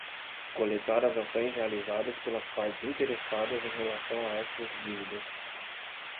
Coletar as ações realizadas pelas partes interessadas em relação a essas dívidas.